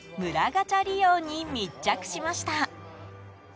ガチャ利用に密着しました。